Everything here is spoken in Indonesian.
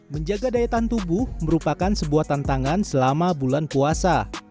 menjaga daya tahan tubuh merupakan sebuah tantangan selama bulan puasa